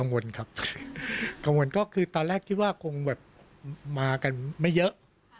ครับกังวลก็คือตอนแรกคิดว่าคงแบบมากันไม่เยอะ